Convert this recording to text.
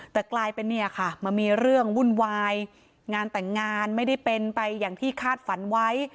แต่กลายเป็นเนี่ยค่ะมันมีเรื่องวุ่นวายงานแต่งงานไม่ได้เป็นไปอย่างที่คาดฝันไว้